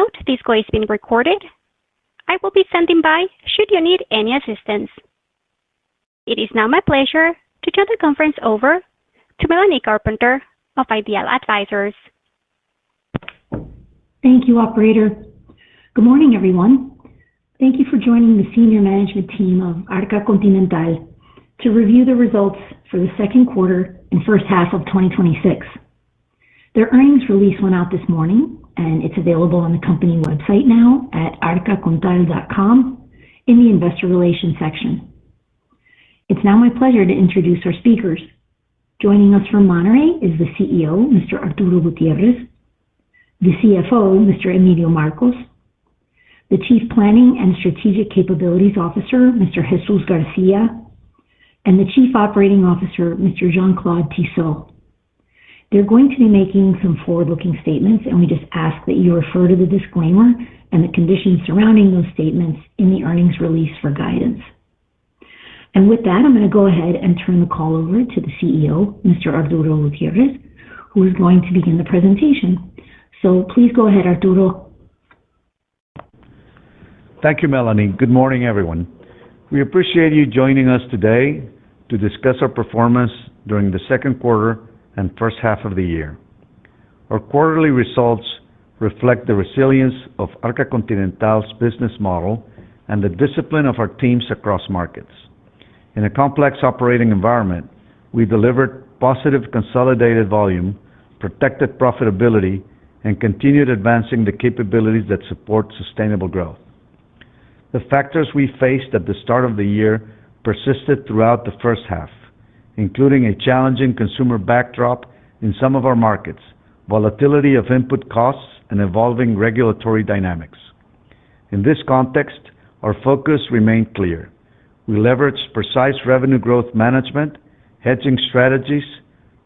Please note this call is being recorded. I will be standing by should you need any assistance. It is now my pleasure to turn the conference over to Melanie Carpenter of IDEAL Advisors. Thank you, operator. Good morning, everyone. Thank you for joining the senior management team of Arca Continental to review the results for the second quarter and first half of 2026. Their earnings release went out this morning, and it's available on the company website now at arcacontal.com in the investor relations section. It's now my pleasure to introduce our speakers. Joining us from Monterrey is the CEO, Mr. Arturo Gutiérrez, the CFO, Mr. Emilio Marcos, the Chief Planning and Strategic Capabilities Officer, Mr. Jesús García, and the Chief Operating Officer, Mr. Jean-Claude Tissot. They're going to be making some forward-looking statements, and we just ask that you refer to the disclaimer and the conditions surrounding those statements in the earnings release for guidance. With that, I'm going to go ahead and turn the call over to the CEO, Mr. Arturo Gutiérrez, who is going to begin the presentation. Please go ahead, Arturo. Thank you, Melanie. Good morning, everyone. We appreciate you joining us today to discuss our performance during the second quarter and first half of the year. Our quarterly results reflect the resilience of Arca Continental's business model and the discipline of our teams across markets. In a complex operating environment, we delivered positive consolidated volume, protected profitability, and continued advancing the capabilities that support sustainable growth. The factors we faced at the start of the year persisted throughout the first half, including a challenging consumer backdrop in some of our markets, volatility of input costs, and evolving regulatory dynamics. In this context, our focus remained clear. We leveraged precise revenue growth management, hedging strategies,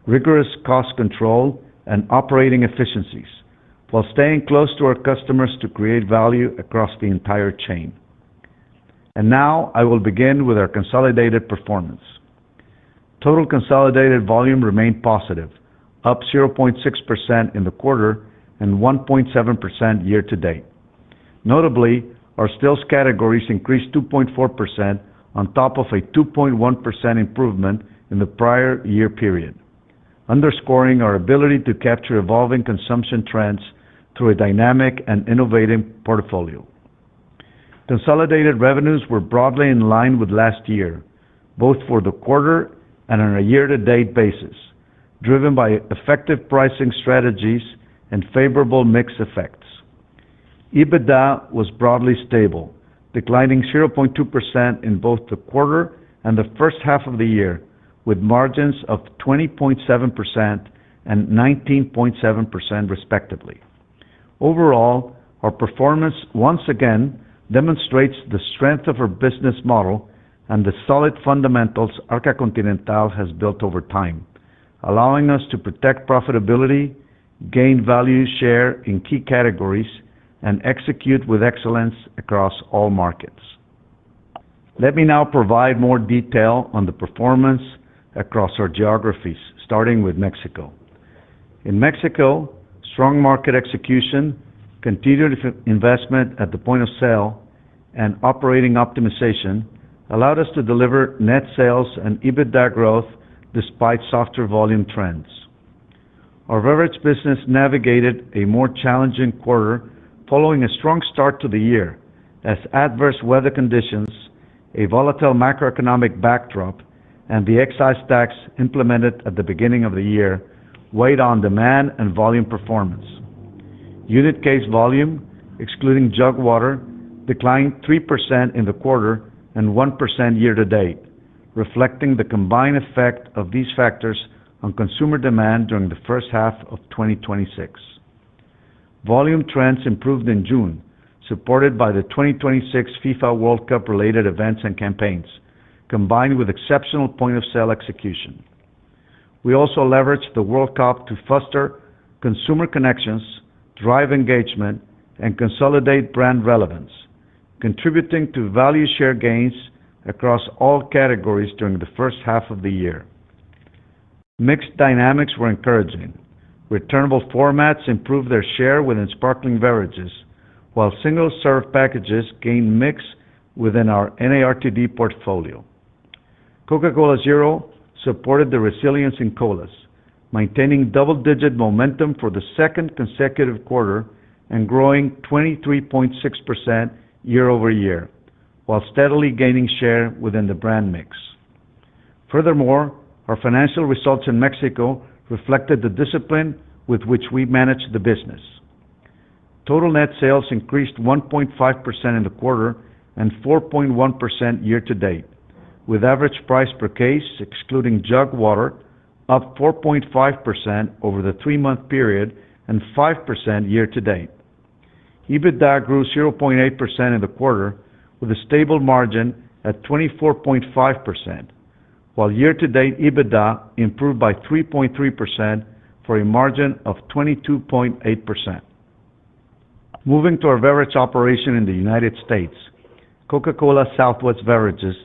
rigorous cost control, and operating efficiencies while staying close to our customers to create value across the entire chain. Now I will begin with our consolidated performance. Total consolidated volume remained positive, up 0.6% in the quarter and 1.7% year to date. Notably, our stills categories increased 2.4% on top of a 2.1% improvement in the prior year period, underscoring our ability to capture evolving consumption trends through a dynamic and innovative portfolio. Consolidated revenues were broadly in line with last year, both for the quarter and on a year-to-date basis, driven by effective pricing strategies and favorable mix effects. EBITDA was broadly stable, declining 0.2% in both the quarter and the first half of the year, with margins of 20.7% and 19.7% respectively. Overall, our performance once again demonstrates the strength of our business model and the solid fundamentals Arca Continental has built over time, allowing us to protect profitability, gain value share in key categories, and execute with excellence across all markets. Let me now provide more detail on the performance across our geographies, starting with Mexico. In Mexico, strong market execution, continued investment at the point of sale, and operating optimization allowed us to deliver net sales and EBITDA growth despite softer volume trends. Our beverage business navigated a more challenging quarter following a strong start to the year as adverse weather conditions, a volatile macroeconomic backdrop, and the excise tax implemented at the beginning of the year weighed on demand and volume performance. Unit case volume, excluding jug water, declined 3% in the quarter and 1% year to date, reflecting the combined effect of these factors on consumer demand during the first half of 2026. Volume trends improved in June, supported by the 2026 FIFA World Cup related events and campaigns, combined with exceptional point-of-sale execution. We also leveraged the World Cup to foster consumer connections, drive engagement, and consolidate brand relevance, contributing to value share gains across all categories during the first half of the year. Mixed dynamics were encouraging. Returnable formats improved their share within sparkling beverages, while single-serve packages gained mix within our NARTD portfolio. Coca-Cola Zero supported the resilience in colas, maintaining double-digit momentum for the second consecutive quarter and growing 23.6% year over year while steadily gaining share within the brand mix. Furthermore, our financial results in Mexico reflected the discipline with which we manage the business. Total net sales increased 1.5% in the quarter and 4.1% year to date, with average price per case, excluding jug water, up 4.5% over the three-month period and 5% year to date. EBITDA grew 0.8% in the quarter with a stable margin at 24.5%, while year-to-date EBITDA improved by 3.3% for a margin of 22.8%. Moving to our beverage operation in the United States. Coca-Cola Southwest Beverages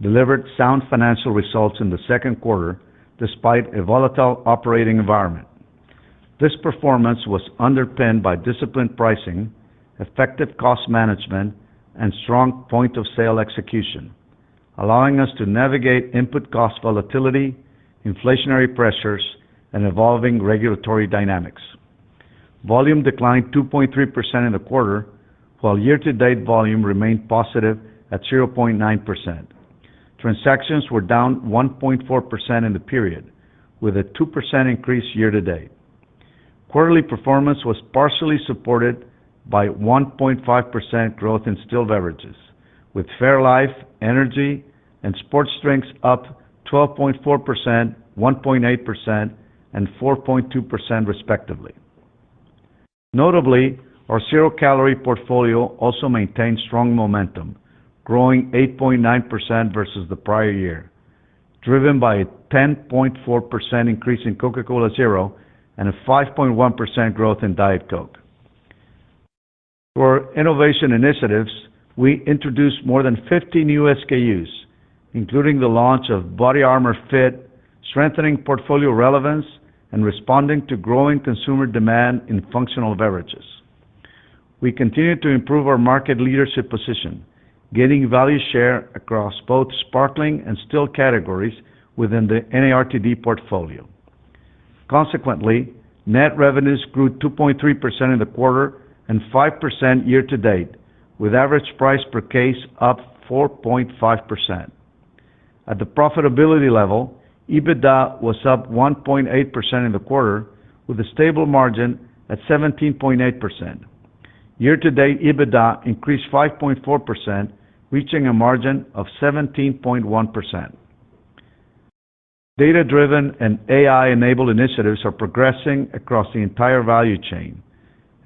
delivered sound financial results in the second quarter despite a volatile operating environment. This performance was underpinned by disciplined pricing, effective cost management, and strong point of sale execution, allowing us to navigate input cost volatility, inflationary pressures, and evolving regulatory dynamics. Volume declined 2.3% in the quarter, while year-to-date volume remained positive at 0.9%. Transactions were down 1.4% in the period, with a 2% increase year to date. Quarterly performance was partially supported by 1.5% growth in still beverages, with fairlife, energy, and sports drinks up 12.4%, 1.8% and 4.2% respectively. Notably, our zero-calorie portfolio also maintained strong momentum, growing 8.9% versus the prior year, driven by a 10.4% increase in Coca-Cola Zero and a 5.1% growth in Diet Coke. For innovation initiatives, we introduced more than 15 new SKUs, including the launch of BODYARMOR FIT, strengthening portfolio relevance, and responding to growing consumer demand in functional beverages. We continued to improve our market leadership position, gaining value share across both sparkling and still categories within the NARTD portfolio. Consequently, net revenues grew 2.3% in the quarter and 5% year to date, with average price per case up 4.5%. At the profitability level, EBITDA was up 1.8% in the quarter with a stable margin at 17.8%. Year to date, EBITDA increased 5.4%, reaching a margin of 17.1%. Data-driven and AI-enabled initiatives are progressing across the entire value chain.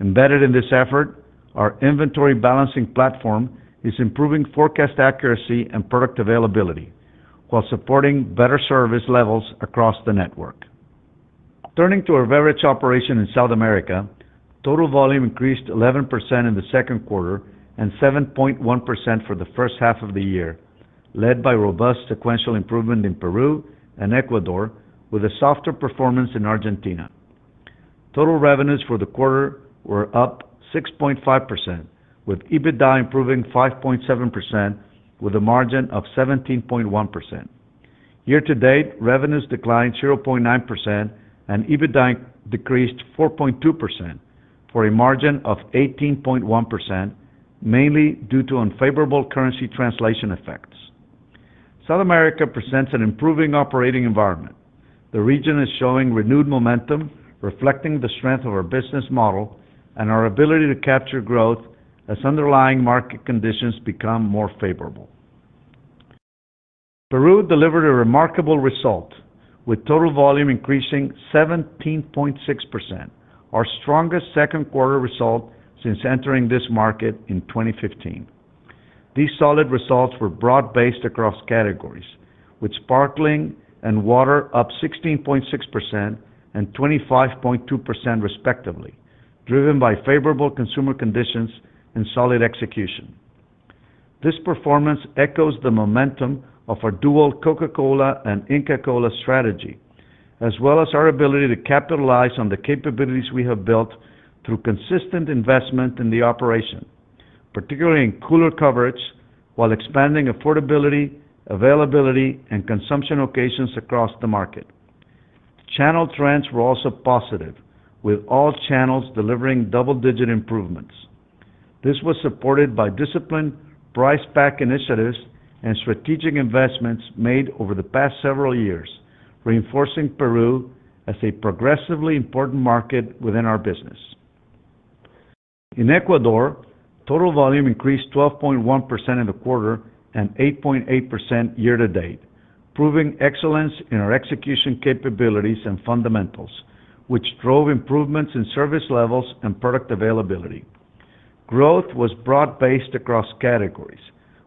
Embedded in this effort, our inventory balancing platform is improving forecast accuracy and product availability while supporting better service levels across the network. Turning to our beverage operation in South America, total volume increased 11% in the second quarter and 7.1% for the first half of the year, led by robust sequential improvement in Peru and Ecuador with a softer performance in Argentina. Total revenues for the quarter were up 6.5%, with EBITDA improving 5.7% with a margin of 17.1%. Year to date, revenues declined 0.9% and EBITDA decreased 4.2% for a margin of 18.1%, mainly due to unfavorable currency translation effects. South America presents an improving operating environment. The region is showing renewed momentum, reflecting the strength of our business model and our ability to capture growth as underlying market conditions become more favorable. Peru delivered a remarkable result, with total volume increasing 17.6%, our strongest second quarter result since entering this market in 2015. These solid results were broad-based across categories, with sparkling and water up 16.6% and 25.2% respectively, driven by favorable consumer conditions and solid execution. This performance echoes the momentum of our dual Coca-Cola and Inca Kola strategy, as well as our ability to capitalize on the capabilities we have built through consistent investment in the operation, particularly in cooler coverage while expanding affordability, availability, and consumption occasions across the market. Channel trends were also positive, with all channels delivering double-digit improvements. This was supported by disciplined price pack initiatives and strategic investments made over the past several years, reinforcing Peru as a progressively important market within our business. In Ecuador, total volume increased 12.1% in the quarter and 8.8% year to date, proving excellence in our execution capabilities and fundamentals, which drove improvements in service levels and product availability. Growth was broad-based across categories,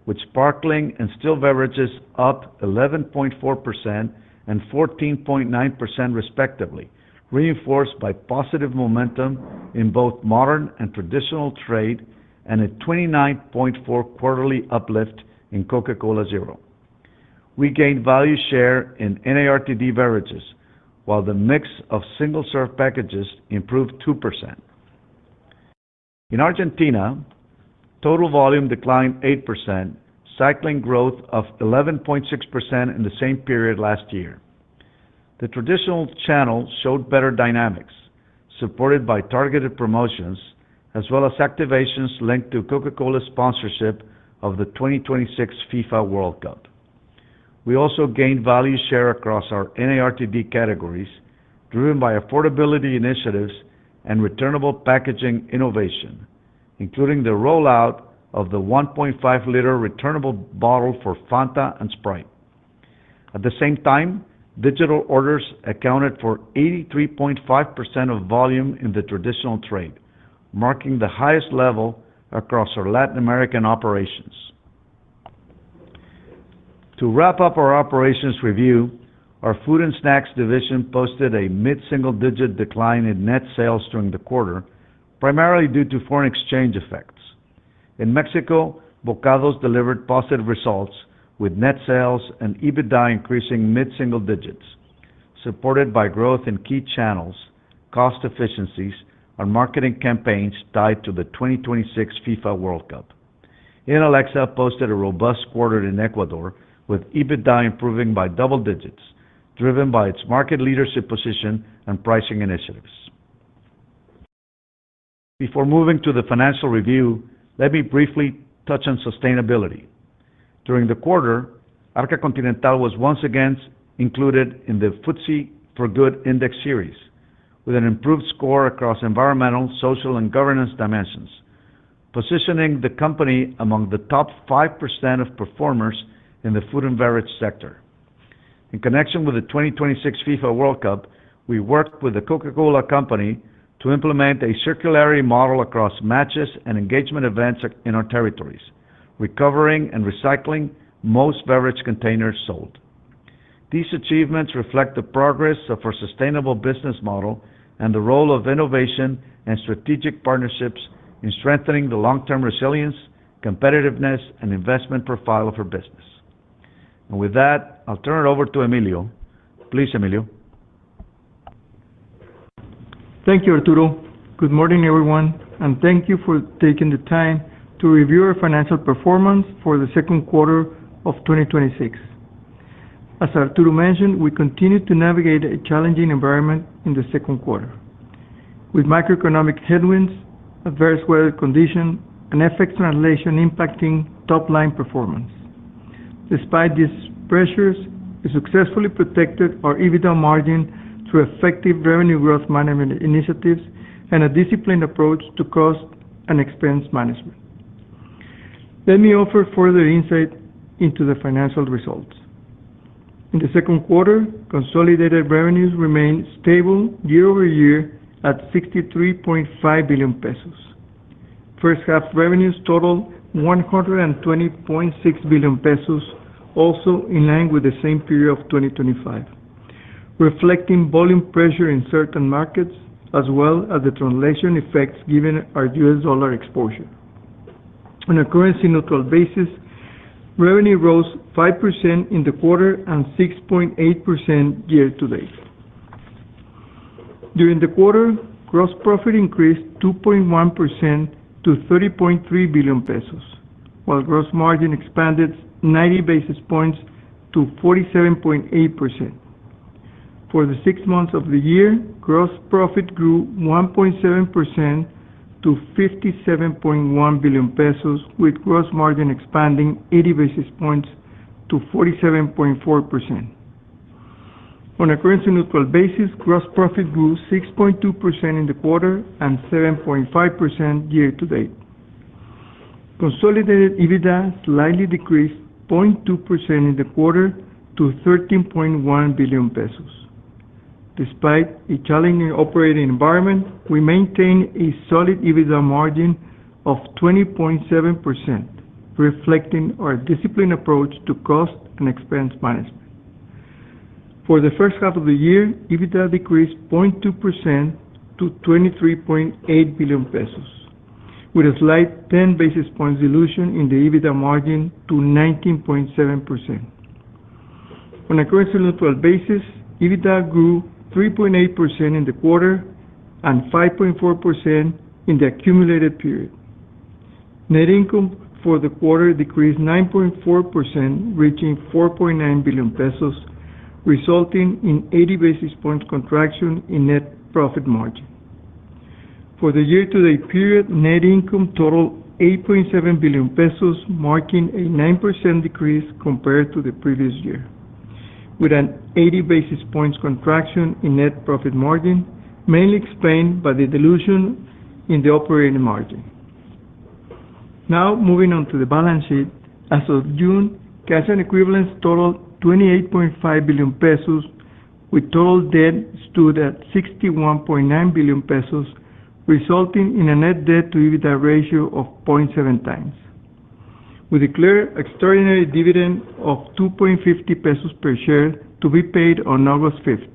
with sparkling and still beverages up 11.4% and 14.9% respectively, reinforced by positive momentum in both modern and traditional trade and a 29.4 quarterly uplift in Coca-Cola Zero. We gained value share in NARTD beverages while the mix of single-serve packages improved 2%. In Argentina, total volume declined 8%, cycling growth of 11.6% in the same period last year. The traditional channel showed better dynamics, supported by targeted promotions as well as activations linked to Coca-Cola sponsorship of the 2026 FIFA World Cup. We also gained value share across our NARTD categories driven by affordability initiatives and returnable packaging innovation, including the rollout of the 1.5-liter returnable bottle for Fanta and Sprite. At the same time, digital orders accounted for 83.5% of volume in the traditional trade, marking the highest level across our Latin American operations. To wrap up our operations review, our food and snacks division posted a mid-single-digit decline in net sales during the quarter, primarily due to foreign exchange effects. In Mexico, Bokados delivered positive results with net sales and EBITDA increasing mid-single digits, supported by growth in key channels, cost efficiencies, and marketing campaigns tied to the 2026 FIFA World Cup. Inalecsa posted a robust quarter in Ecuador with EBITDA improving by double digits, driven by its market leadership position and pricing initiatives. Before moving to the financial review, let me briefly touch on sustainability. During the quarter, Arca Continental was once again included in the FTSE4Good Index Series with an improved score across environmental, social, and governance dimensions, positioning the company among the top 5% of performers in the food and beverage sector. In connection with the 2026 FIFA World Cup, we worked with The Coca-Cola Company to implement a circularity model across matches and engagement events in our territories, recovering and recycling most beverage containers sold. These achievements reflect the progress of our sustainable business model and the role of innovation and strategic partnerships in strengthening the long-term resilience, competitiveness, and investment profile of our business. With that, I'll turn it over to Emilio. Please, Emilio. Thank you, Arturo. Good morning, everyone, and thank you for taking the time to review our financial performance for the second quarter of 2026. As Arturo mentioned, we continued to navigate a challenging environment in the second quarter with macroeconomic headwinds, adverse weather condition, and FX translation impacting top-line performance. Despite these pressures, we successfully protected our EBITDA margin through effective revenue growth management initiatives and a disciplined approach to cost and expense management. Let me offer further insight into the financial results. In the second quarter, consolidated revenues remained stable year over year at 63.5 billion pesos. First half revenues totaled 120.6 billion pesos, also in line with the same period of 2025, reflecting volume pressure in certain markets, as well as the translation effects given our US dollar exposure. On a currency-neutral basis, revenue rose 5% in the quarter and 6.8% year to date. During the quarter, gross profit increased 2.1% to 30.3 billion pesos, while gross margin expanded 90 basis points to 47.8%. For the six months of the year, gross profit grew 1.7% to 57.1 billion pesos, with gross margin expanding 80 basis points to 47.4%. On a currency-neutral basis, gross profit grew 6.2% in the quarter and 7.5% year to date. Consolidated EBITDA slightly decreased 0.2% in the quarter to 13.1 billion pesos. Despite a challenging operating environment, we maintain a solid EBITDA margin of 20.7%, reflecting our disciplined approach to cost and expense management. For the first half of the year, EBITDA decreased 0.2% to 23.8 billion pesos with a slight 10 basis points dilution in the EBITDA margin to 19.7%. On a currency-neutral basis, EBITDA grew 3.8% in the quarter and 5.4% in the accumulated period. Net income for the quarter decreased 9.4%, reaching 4.9 billion pesos, resulting in 80 basis points contraction in net profit margin. For the year-to-date period, net income totaled 8.7 billion pesos, marking a 9% decrease compared to the previous year, with an 80 basis points contraction in net profit margin, mainly explained by the dilution in the operating margin. Now moving on to the balance sheet. As of June, cash and equivalents totaled 28.5 billion pesos, with total debt stood at 61.9 billion pesos, resulting in a net debt to EBITDA ratio of 0.7x. We declared extraordinary dividend of 2.50 pesos per share to be paid on August 5th.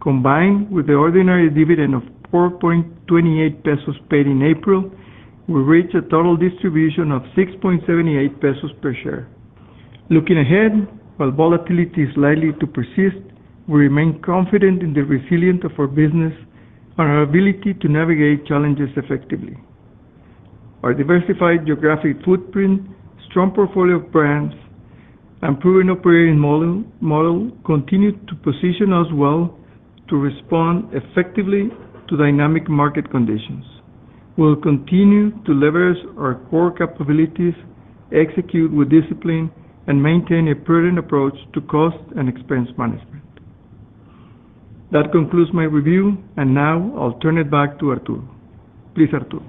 Combined with the ordinary dividend of 4.28 pesos paid in April, we reached a total distribution of 6.78 pesos per share. Looking ahead, while volatility is likely to persist, we remain confident in the resilience of our business and our ability to navigate challenges effectively. Our diversified geographic footprint, strong portfolio of brands, and proven operating model continue to position us well to respond effectively to dynamic market conditions. We'll continue to leverage our core capabilities, execute with discipline, and maintain a prudent approach to cost and expense management. That concludes my review. Now I'll turn it back to Arturo. Please, Arturo.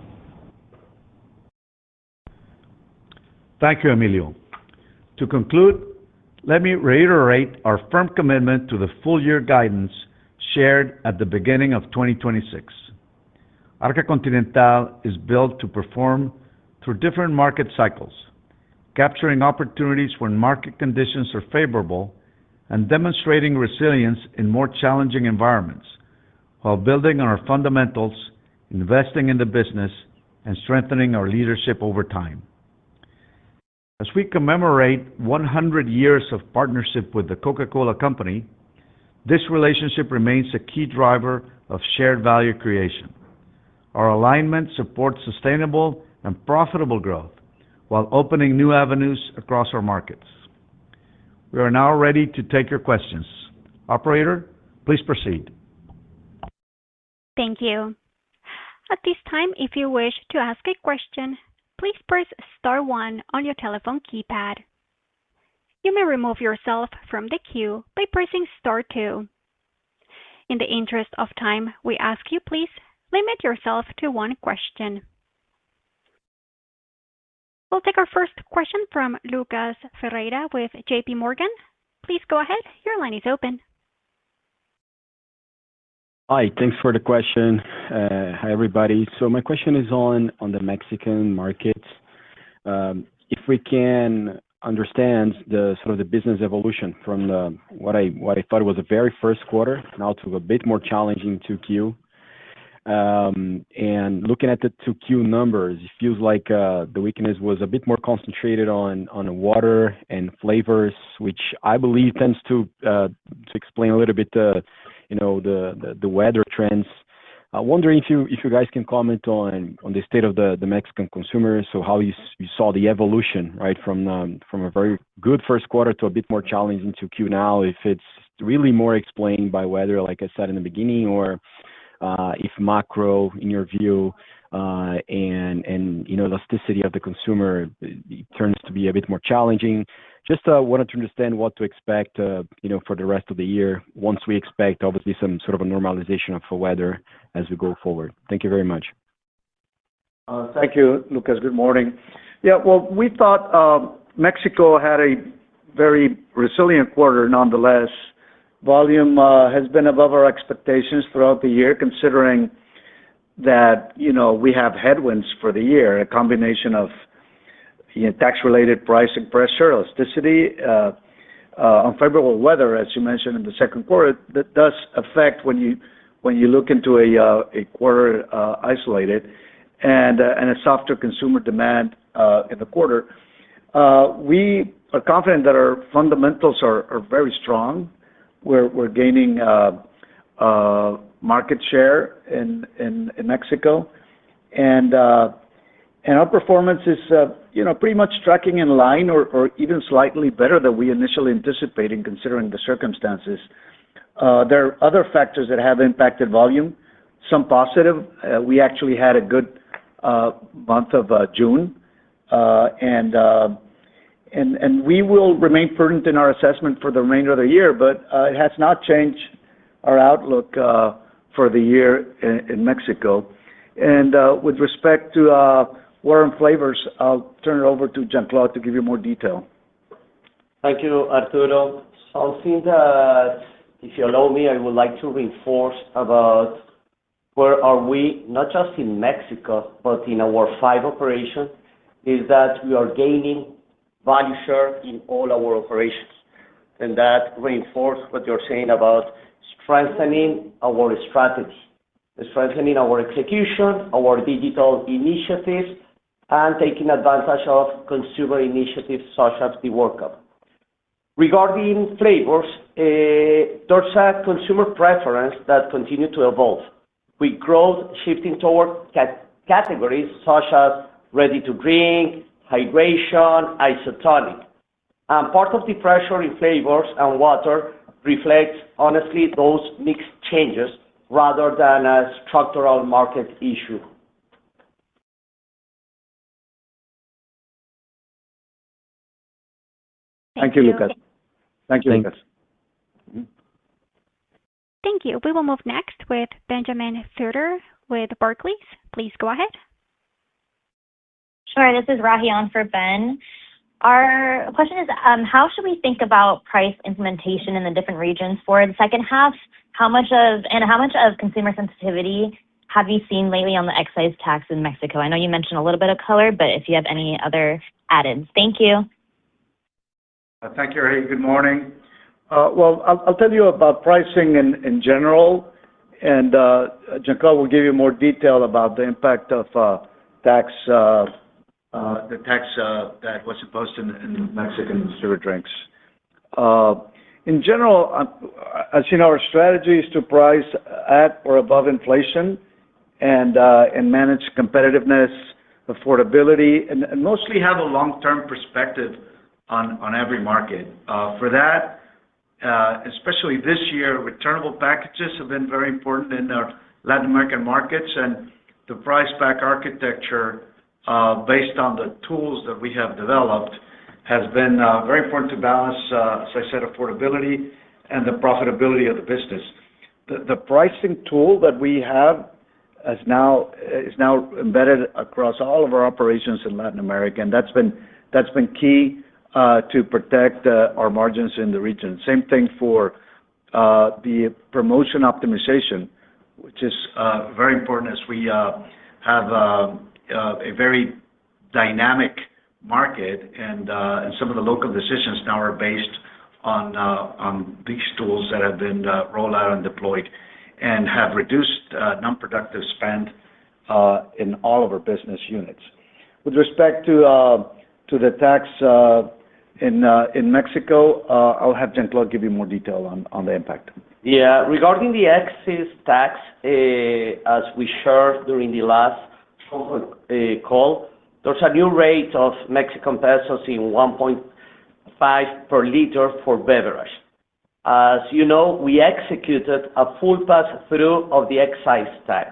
Thank you, Emilio. To conclude, let me reiterate our firm commitment to the full year guidance shared at the beginning of 2026 Arca Continental is built to perform through different market cycles, capturing opportunities when market conditions are favorable and demonstrating resilience in more challenging environments while building on our fundamentals, investing in the business, and strengthening our leadership over time. As we commemorate 100 years of partnership with The Coca-Cola Company, this relationship remains a key driver of shared value creation. Our alignment supports sustainable and profitable growth while opening new avenues across our markets. We are now ready to take your questions. Operator, please proceed. Thank you. At this time, if you wish to ask a question, please press star one on your telephone keypad. You may remove yourself from the queue by pressing star two. In the interest of time, we ask you please limit yourself to one question. We'll take our first question from Lucas Ferreira with JPMorgan. Please go ahead. Your line is open. Hi. Thanks for the question. Hi, everybody. My question is on the Mexican market. If we can understand the business evolution from what I thought was a very first quarter now to a bit more challenging 2Q. Looking at the 2Q numbers, it feels like the weakness was a bit more concentrated on water and flavors, which I believe tends to explain a little bit the weather trends. Wondering if you guys can comment on the state of the Mexican consumer. How you saw the evolution from a very good first quarter to a bit more challenging 2Q now. If it's really more explained by weather, like I said in the beginning, or if macro, in your view, and elasticity of the consumer turns to be a bit more challenging. Just wanted to understand what to expect for the rest of the year, once we expect, obviously, some sort of a normalization for weather as we go forward. Thank you very much. Thank you, Lucas. Good morning. Well, we thought Mexico had a very resilient quarter nonetheless. Volume has been above our expectations throughout the year, considering that we have headwinds for the year. A combination of tax-related pricing pressure, elasticity on unfavorable weather, as you mentioned in the second quarter. That does affect when you look into a quarter isolated and a softer consumer demand in the quarter. We are confident that our fundamentals are very strong. We're gaining market share in Mexico and our performance is pretty much tracking in line or even slightly better than we initially anticipated, considering the circumstances. There are other factors that have impacted volume, some positive. We actually had a good month of June. We will remain prudent in our assessment for the remainder of the year, but it has not changed our outlook for the year in Mexico. With respect to water and flavors, I'll turn it over to Jean-Claude to give you more detail. Thank you, Arturo. I'll think if you allow me, I would like to reinforce about where are we, not just in Mexico, but in our five operations, is that we are gaining value share in all our operations. That reinforce what you're saying about strengthening our strategy and strengthening our execution, our digital initiatives, and taking advantage of consumer initiatives such as the World Cup. Regarding flavors, there's a consumer preference that continue to evolve with growth shifting towards categories such as ready-to-drink, hydration, isotonic. Part of the pressure in flavors and water reflects honestly those mix changes rather than a structural market issue. Thank you, Lucas. Thanks. Thank you. We will move next with Benjamin Theurer with Barclays. Please go ahead. Sure. This is Rahi on for Ben. Our question is, how should we think about price implementation in the different regions for the second half? How much of consumer sensitivity have you seen lately on the excise tax in Mexico? I know you mentioned a little bit of color, but if you have any other add-ins. Thank you. Thank you, Rahi. Good morning. Well, I'll tell you about pricing in general, and Jean-Claude will give you more detail about the impact of the tax that was imposed in the Mexican soda drinks. In general, as you know, our strategy is to price at or above inflation and manage competitiveness, affordability, and mostly have a long-term perspective on every market. For that, especially this year, returnable packages have been very important in our Latin American markets. The price pack architecture, based on the tools that we have developed, has been very important to balance, as I said, affordability and the profitability of the business. The pricing tool that we have is now embedded across all of our operations in Latin America, and that's been key to protect our margins in the region. Same thing for the promotion optimization, which is very important as we have a very dynamic market, and some of the local decisions now are based on these tools that have been rolled out and deployed and have reduced non-productive spend in all of our business units. With respect to the tax in Mexico, I'll have Jean-Claude give you more detail on the impact. Regarding the excise tax, as we shared during the last call, there's a new rate of 1.5 Mexican pesos per liter for beverage. As you know, we executed a full pass-through of the excise tax,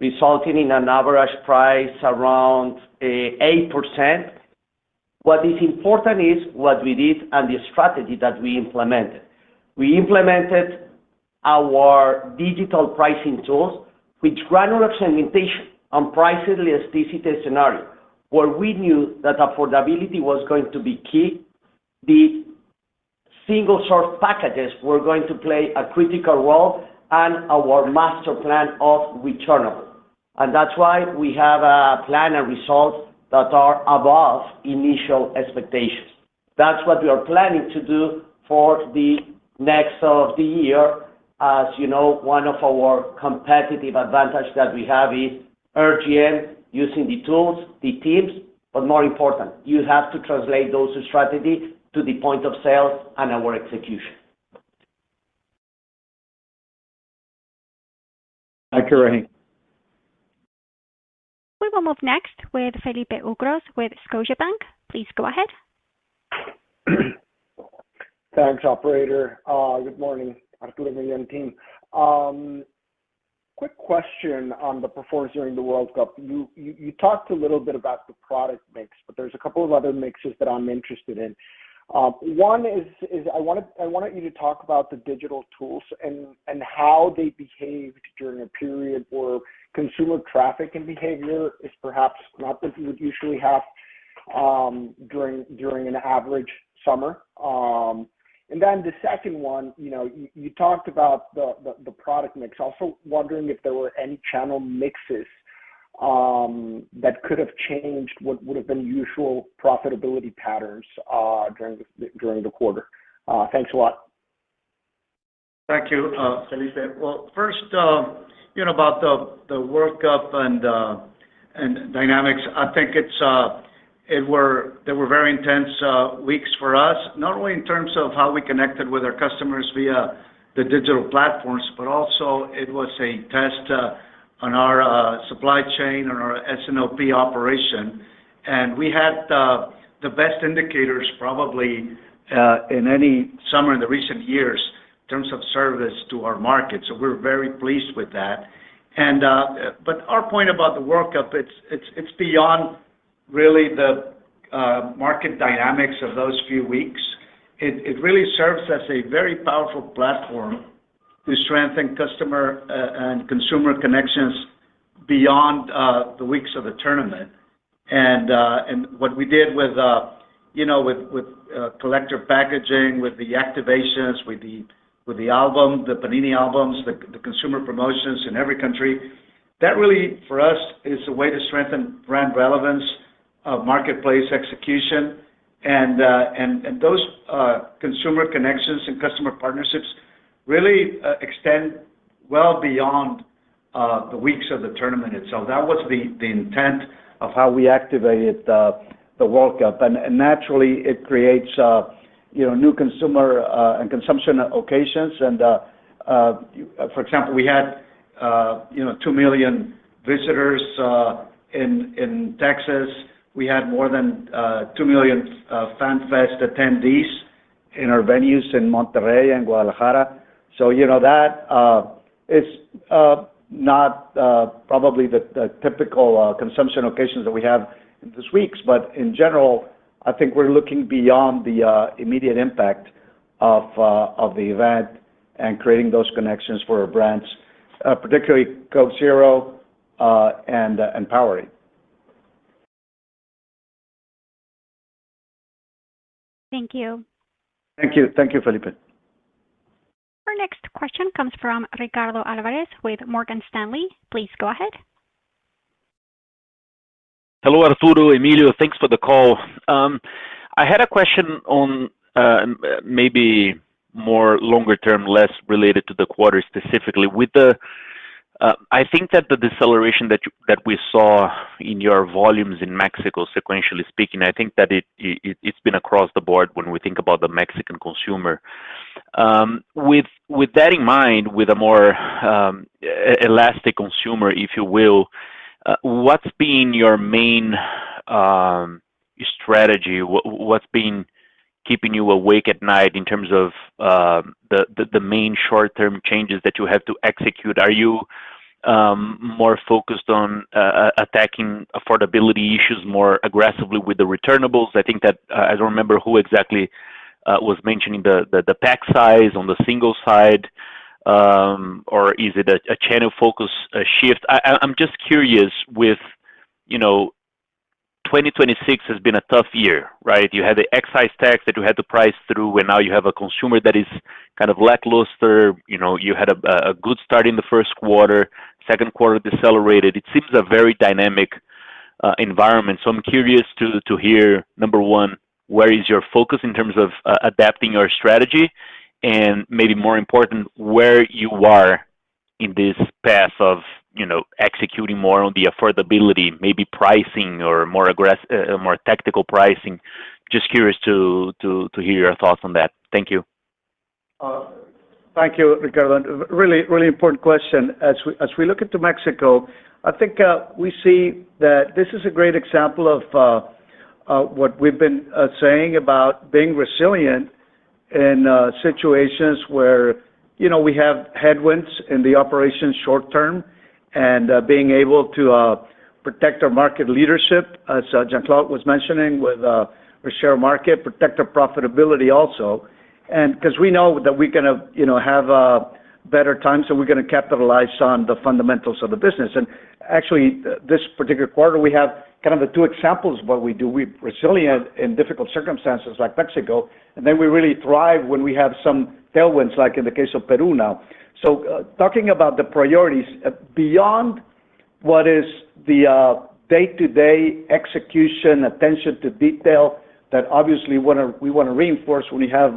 resulting in an average price around 8%. What is important is what we did and the strategy that we implemented. We implemented our digital pricing tools with granular segmentation on price elasticity scenario, where we knew that affordability was going to be key, the single-serve packages were going to play a critical role, and our master plan of returnable. That's why we have a plan and results that are above initial expectations. That's what we are planning to do for the next of the year. As you know, one of our competitive advantage that we have is RGM, using the tools, the teams, but more important, you have to translate those strategy to the point of sale and our execution. [Hi, Corinne.] We will move next with Felipe Ucros with Scotiabank. Please go ahead. Thanks, operator. Good morning, Arturo and the team. Quick question on the performance during the World Cup. You talked a little bit about the product mix, but there's a couple of other mixes that I'm interested in. One is, I wanted you to talk about the digital tools and how they behaved during a period where consumer traffic and behavior is perhaps not as you would usually have during an average summer. The second one, you talked about the product mix. Also wondering if there were any channel mixes that could have changed what would have been usual profitability patterns during the quarter. Thanks a lot. Thank you, Felipe. Well, first, about the World Cup and dynamics. I think they were very intense weeks for us, not only in terms of how we connected with our customers via the digital platforms, but also it was a test on our supply chain and our S&OP operation. We had the best indicators probably in any summer in the recent years in terms of service to our market, so we're very pleased with that. Our point about the World Cup, it's beyond, really, the market dynamics of those few weeks. It really serves as a very powerful platform to strengthen customer and consumer connections beyond the weeks of the tournament. What we did with collector packaging, with the activations, with the Panini albums, the consumer promotions in every country, that really, for us, is a way to strengthen brand relevance of marketplace execution. Those consumer connections and customer partnerships really extend well beyond the weeks of the tournament itself. That was the intent of how we activated the World Cup. Naturally, it creates new consumer and consumption occasions and, for example, we had two million visitors in Texas. We had more than two million Fan Fest attendees in our venues in Monterrey and Guadalajara. That is not probably the typical consumption occasions that we have in these weeks, but in general, I think we're looking beyond the immediate impact of the event and creating those connections for our brands, particularly Coke Zero and Powerade. Thank you. Thank you, Felipe. Our next question comes from Ricardo Alves with Morgan Stanley. Please go ahead. Hello, Arturo, Emilio. Thanks for the call. I had a question on maybe more longer term, less related to the quarter, specifically. The deceleration that we saw in your volumes in Mexico, sequentially speaking, it's been across the board when we think about the Mexican consumer. With that in mind, with a more elastic consumer, if you will, what's been your main strategy? What's been keeping you awake at night in terms of the main short-term changes that you have to execute? Are you more focused on attacking affordability issues more aggressively with the returnables? I don't remember who exactly was mentioning the pack size on the single side. Is it a channel focus shift? I'm just curious. 2026 has been a tough year, right? You had the excise tax that you had to price through. Now you have a consumer that is kind of lackluster. You had a good start in the first quarter, second quarter decelerated. It seems a very dynamic environment. I'm curious to hear, number one, where is your focus in terms of adapting your strategy? Maybe more important, where you are in this path of executing more on the affordability, maybe pricing or more tactical pricing. Just curious to hear your thoughts on that. Thank you. Thank you, Ricardo. Really important question. As we look into Mexico, this is a great example of what we've been saying about being resilient in situations where we have headwinds in the operations short term and being able to protect our market leadership, as Jean-Claude was mentioning, with our share market, protect our profitability also. Because we know that we're going to have better times, we're going to capitalize on the fundamentals of the business. Actually, this particular quarter, we have kind of the two examples of what we do. We're resilient in difficult circumstances like Mexico. We really thrive when we have some tailwinds, like in the case of Peru now. Talking about the priorities, beyond what is the day-to-day execution, attention to detail, that obviously we want to reinforce when we have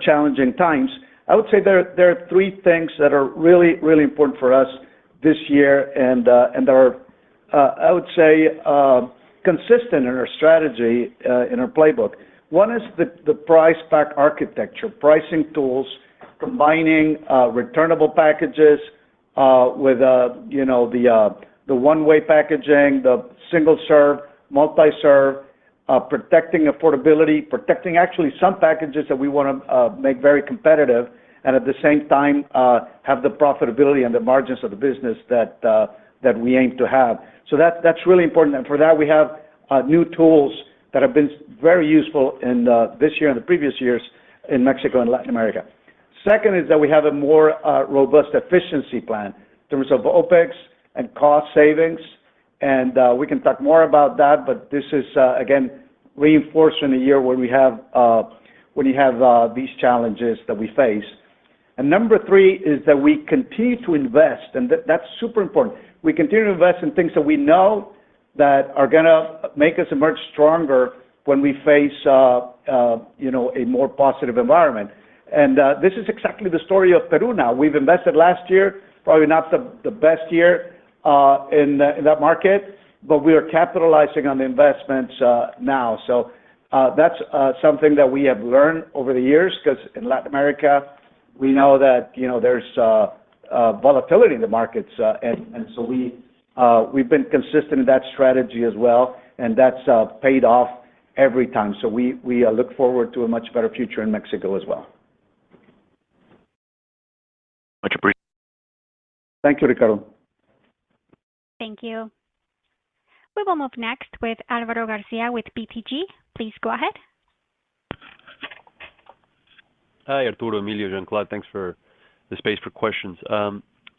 challenging times. I would say there are three things that are really, really important for us this year, consistent in our strategy, in our playbook. One is the price pack architecture, pricing tools, combining returnable packages with the one-way packaging, the single-serve, multi-serve, protecting affordability. Protecting actually some packages that we want to make very competitive. At the same time, have the profitability and the margins of the business that we aim to have. That's really important. For that, we have new tools that have been very useful in this year and the previous years in Mexico and Latin America. Second is that we have a more robust efficiency plan in terms of OpEx and cost savings. We can talk more about that. This is, again, reinforced in a year when you have these challenges that we face. Number three is that we continue to invest, that's super important. We continue to invest in things that we know that are going to make us much stronger when we face a more positive environment. This is exactly the story of Peru now. We've invested last year, probably not the best year in that market, but we are capitalizing on the investments now. That's something that we have learned over the years, because in Latin America, we know that there's volatility in the markets. We've been consistent in that strategy as well, and that's paid off every time. We look forward to a much better future in Mexico as well. Much appreciated. Thank you, Ricardo. Thank you. We will move next with Alvaro Garcia with BTG. Please go ahead. Hi, Arturo, Emilio, Jean-Claude. Thanks for the space for questions.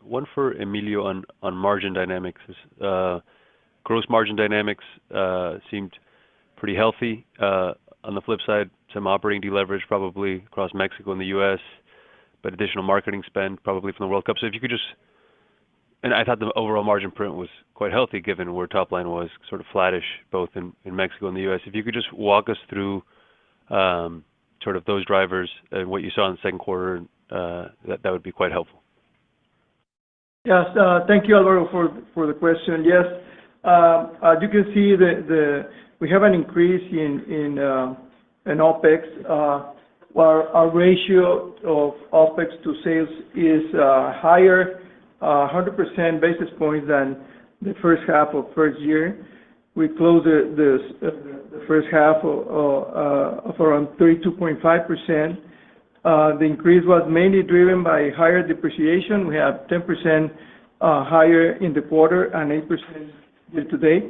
One for Emilio on margin dynamics. Gross margin dynamics seemed pretty healthy. On the flip side, some operating deleverage probably across Mexico and the U.S., but additional marketing spend probably from the World Cup. I thought the overall margin print was quite healthy given where top line was sort of flattish both in Mexico and the U.S. If you could just walk us through those drivers and what you saw in the second quarter, that would be quite helpful. Yes. Thank you, Alvaro Garcia, for the question. Yes. As you can see, we have an increase in OpEx, where our ratio of OpEx to sales is higher, 100% basis points than the first half of first year. We closed the first half of around 32.5%. The increase was mainly driven by higher depreciation. We have 10% higher in the quarter and 8% year to date,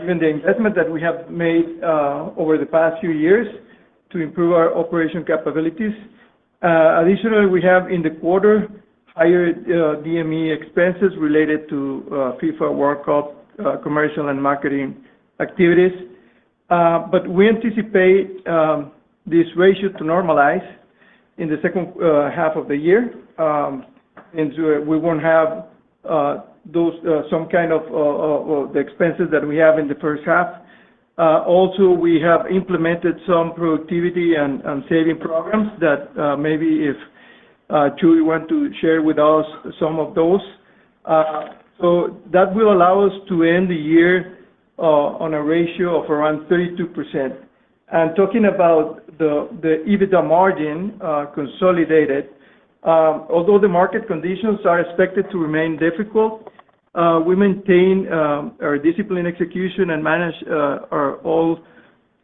given the investment that we have made over the past few years to improve our operation capabilities. Additionally, we have in the quarter higher DME expenses related to FIFA World Cup commercial and marketing activities. We anticipate this ratio to normalize in the second half of the year into we won't have those, some kind of the expenses that we have in the first half. Also, we have implemented some productivity and saving programs that maybe if Chuy want to share with us some of those. That will allow us to end the year on a ratio of around 32%. Talking about the EBITDA margin consolidated, although the market conditions are expected to remain difficult, we maintain our discipline execution and manage all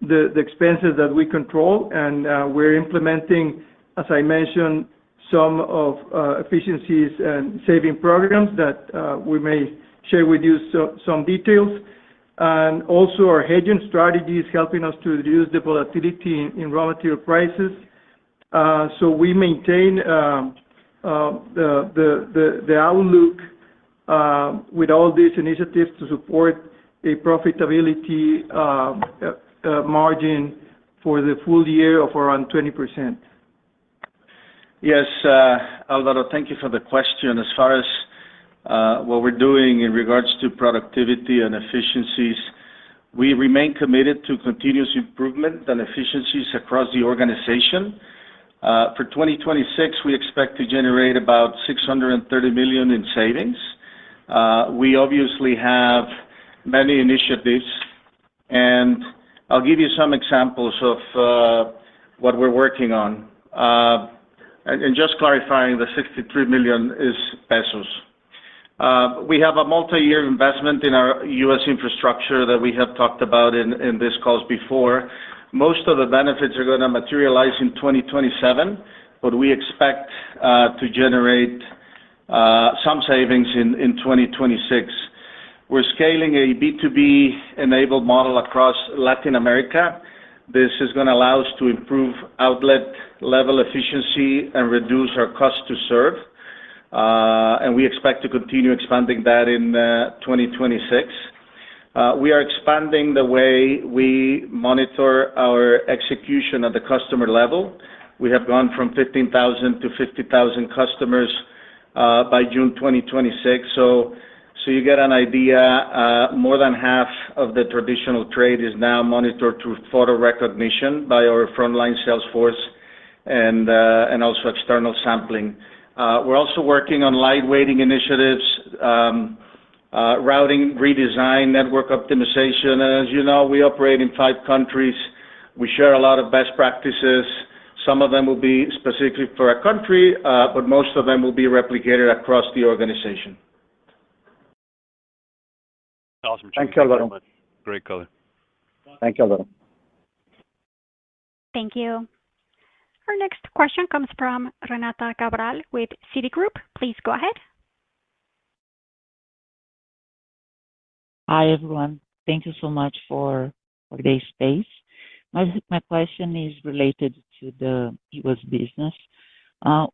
the expenses that we control. We're implementing, as I mentioned, some of efficiencies and saving programs that we may share with you some details. Also, our hedging strategy is helping us to reduce the volatility in raw material prices. We maintain the outlook with all these initiatives to support a profitability margin for the full year of around 20%. Yes. Alvaro, thank you for the question. As far as what we are doing in regards to productivity and efficiencies, we remain committed to continuous improvement and efficiencies across the organization. For 2026, we expect to generate about 630 million in savings. We obviously have many initiatives. I will give you some examples of what we are working on. Just clarifying, the 63 million is pesos. We have a multi-year investment in our U.S. infrastructure that we have talked about in these calls before. Most of the benefits are going to materialize in 2027, but we expect to generate some savings in 2026. We are scaling a B2B-enabled model across Latin America. This is going to allow us to improve outlet-level efficiency and reduce our cost to serve. We expect to continue expanding that in 2026. We are expanding the way we monitor our execution at the customer level. We have gone from 15,000-50,000 customers by June 2026. You get an idea, more than half of the traditional trade is now monitored through photo recognition by our frontline sales force and also external sampling. We are also working on lightweighting initiatives, routing redesign, network optimization. As you know, we operate in five countries. We share a lot of best practices. Some of them will be specifically for a country, but most of them will be replicated across the organization. Awesome. Thanks, Alvaro. Thank you so much. Great color. Thanks, Alvaro. Thank you. Our next question comes from Renata Cabral with Citigroup. Please go ahead. Hi, everyone. Thank you so much for this space. My question is related to the U.S. business.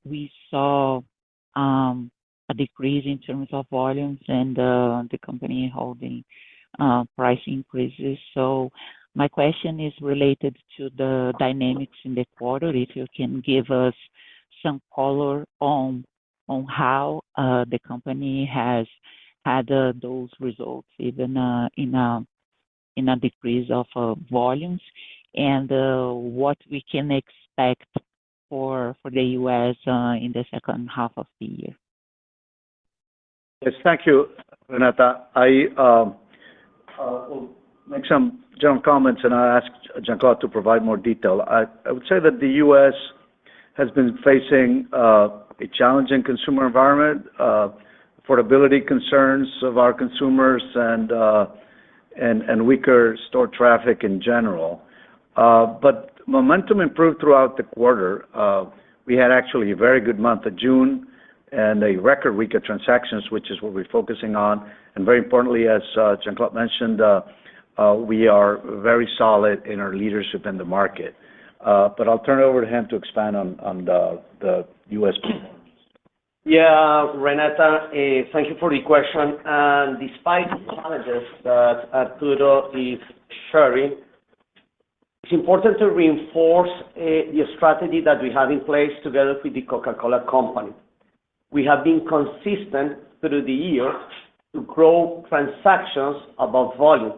We saw a decrease in terms of volumes and the company holding price increases. My question is related to the dynamics in the quarter. If you can give us some color on how the company has had those results, even in a decrease of volumes, and what we can expect for the U.S. in the second half of the year. Yes. Thank you, Renata. I will make some general comments, and I'll ask Jean-Claude to provide more detail. I would say that the U.S. has been facing a challenging consumer environment, affordability concerns of our consumers, and weaker store traffic in general. Momentum improved throughout the quarter. We had actually a very good month of June and a record week of transactions, which is what we're focusing on. Very importantly, as Jean-Claude mentioned, we are very solid in our leadership in the market. I'll turn it over to him to expand on the U.S. performance. Yeah. Renata, thank you for the question. Despite the challenges that Arturo is sharing, it's important to reinforce the strategy that we have in place together with The Coca-Cola Company. We have been consistent through the years to grow transactions above volume,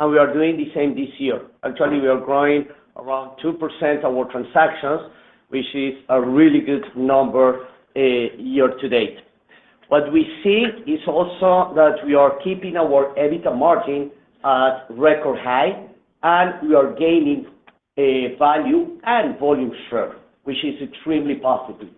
and we are doing the same this year. Actually, we are growing around 2% our transactions, which is a really good number year to date. What we see is also that we are keeping our EBITDA margin at record high, and we are gaining value and volume share, which is extremely positive.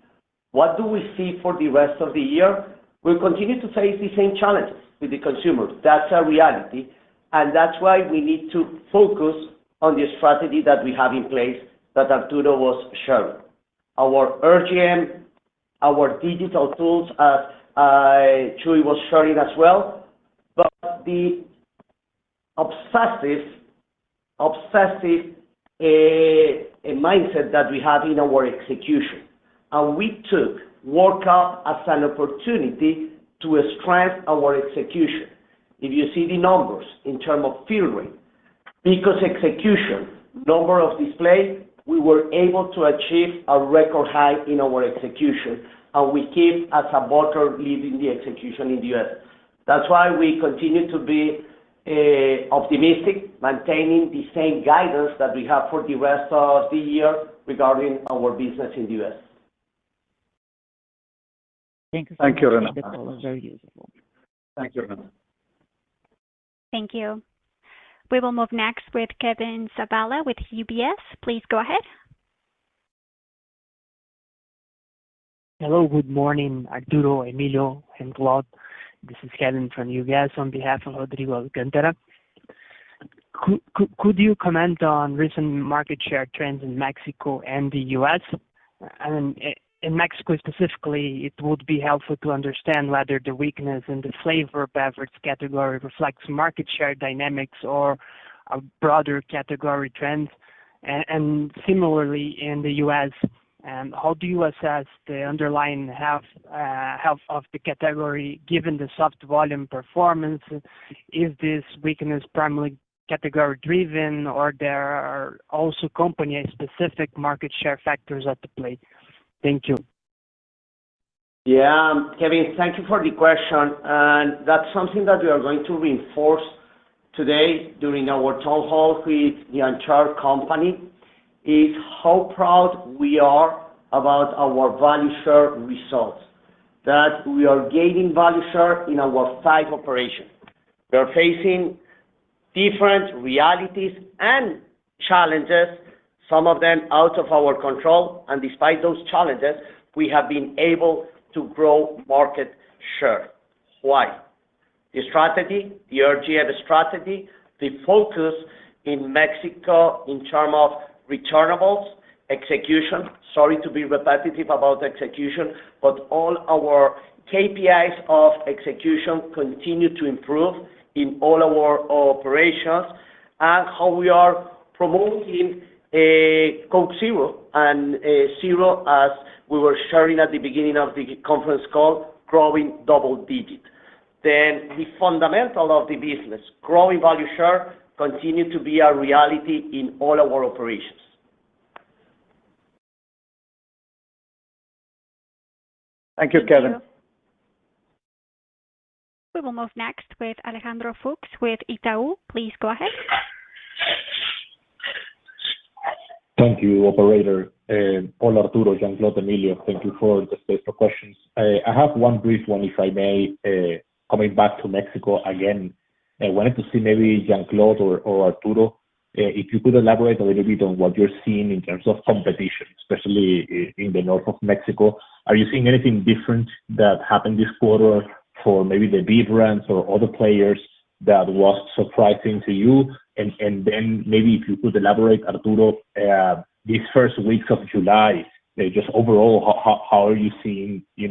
What do we see for the rest of the year? We'll continue to face the same challenges with the consumers. That's a reality, that's why we need to focus on the strategy that we have in place that Arturo was sharing. Our RGM, our digital tools, as Chuy was sharing as well, the obsessive mindset that we have in our execution. We took World Cup as an opportunity to strengthen our execution. If you see the numbers in terms of fill rate, number of displays, we were able to achieve a record high in our execution, and we keep as a bottle leading the execution in the U.S. That's why we continue to be optimistic, maintaining the same guidance that we have for the rest of the year regarding our business in the U.S. Thanks. Thank you, Renata. The call was very useful. Thank you, Renata. Thank you. We will move next with Kevin Zavala with UBS. Please go ahead. Hello, good morning, Arturo, Emilio, and Claude. This is Kevin from UBS on behalf of Rodrigo Alcántara. Could you comment on recent market share trends in Mexico and the U.S.? In Mexico specifically, it would be helpful to understand whether the weakness in the flavor beverage category reflects market share dynamics or a broader category trend. Similarly, in the U.S., how do you assess the underlying health of the category given the soft volume performance? Is this weakness primarily category-driven, or there are also company-specific market share factors at play? Thank you. Yeah. Kevin, thank you for the question. That's something that we are going to reinforce today during our town hall with the Unchartered company, is how proud we are about our value share results. That we are gaining value share in our five operations. We're facing different realities and challenges, some of them out of our control. Despite those challenges, we have been able to grow market share. Why? The strategy, the RGM strategy, the focus in Mexico in term of returnables, execution, sorry to be repetitive about execution, but all our KPIs of execution continue to improve in all our operations. How we are promoting Coke Zero and Zero as we were sharing at the beginning of the conference call, growing double-digit. The fundamental of the business, growing value share, continue to be a reality in all our operations. Thank you, Kevin. Thank you. We will move next with Alejandro Fuchs with Itaú. Please go ahead. Thank you, operator. [Paul], Arturo, Jean-Claude, Emilio, thank you for the space for questions. I have one brief one, if I may. Coming back to Mexico again, I wanted to see maybe Jean-Claude or Arturo, if you could elaborate a little bit on what you're seeing in terms of competition, especially in the north of Mexico. Are you seeing anything different that happened this quarter for maybe the beer brands or other players that was surprising to you? Then maybe if you could elaborate, Arturo, these first weeks of July, just overall, how are you seeing the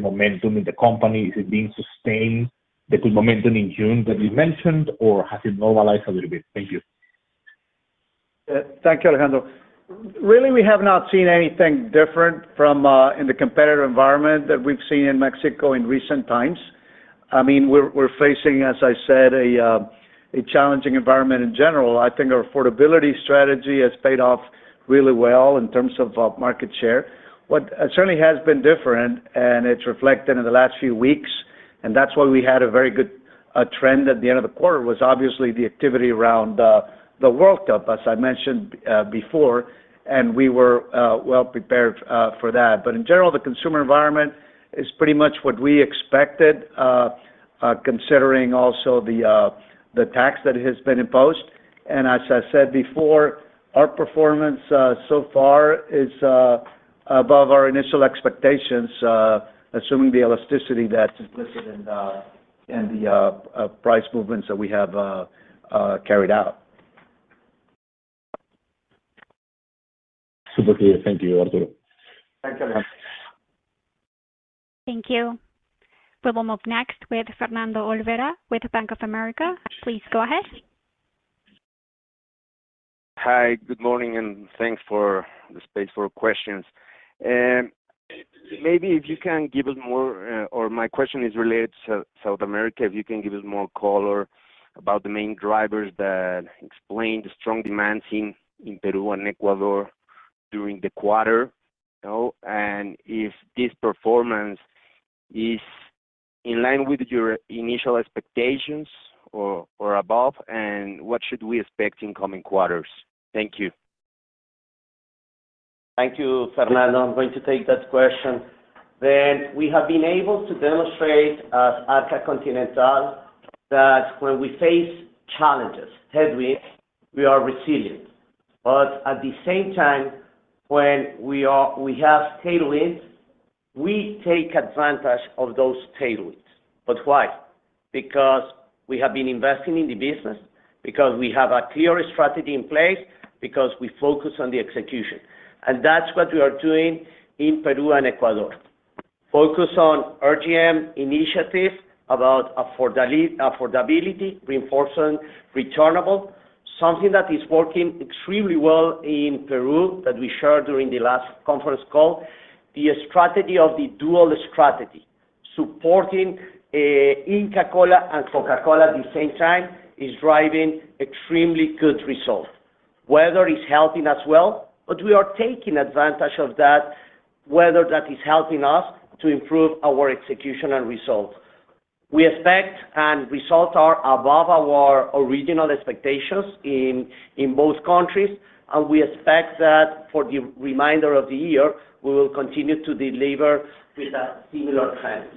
momentum in the company? Is it being sustained, the good momentum in June that you mentioned, or has it normalized a little bit? Thank you. Thank you, Alejandro. Really, we have not seen anything different in the competitive environment that we've seen in Mexico in recent times. We're facing, as I said, a challenging environment in general. I think our affordability strategy has paid off really well in terms of market share. What certainly has been different, and it's reflected in the last few weeks, and that's why we had a very good trend at the end of the quarter, was obviously the activity around the World Cup, as I mentioned before, and we were well-prepared for that. In general, the consumer environment is pretty much what we expected, considering also the tax that has been imposed. As I said before, our performance so far is above our initial expectations, assuming the elasticity that's implicit in the price movements that we have carried out. Super clear. Thank you, Arturo. Thanks, Alejandro. Thank you. We will move next with Fernando Olvera with Bank of America. Please go ahead. Hi, good morning, thanks for the space for questions. My question is related to South America. If you can give us more color about the main drivers that explain the strong demand seen in Peru and Ecuador during the quarter. If this performance is in line with your initial expectations or above, and what should we expect in coming quarters? Thank you. Thank you, Fernando. I'm going to take that question. We have been able to demonstrate as Arca Continental that when we face challenges, headwinds, we are resilient. At the same time, when we have tailwinds, we take advantage of those tailwinds. Why? Because we have been investing in the business, because we have a clear strategy in place, because we focus on the execution. That's what we are doing in Peru and Ecuador. Focus on RGM initiative about affordability, reinforcing returnable, something that is working extremely well in Peru that we shared during the last conference call. The strategy of the dual strategy, supporting Inca Kola and Coca-Cola at the same time, is driving extremely good results. Weather is helping as well, but we are taking advantage of that weather that is helping us to improve our execution and results. We expect and results are above our original expectations in most countries, and we expect that for the remainder of the year, we will continue to deliver with that similar trend.